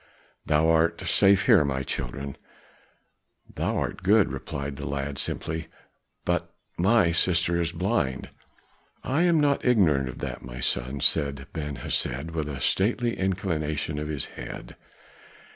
Thou art safe here, my children." "Thou art good," replied the lad simply; "but my sister is blind." "I am not ignorant of that, my son," said Ben Hesed with a stately inclination of his head.